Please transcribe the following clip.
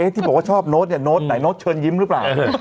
ที่บอกว่าชอบเนาทเนี่ยเนาทเชิญยิ้มรึเปล่า